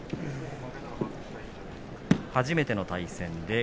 初めての対戦です。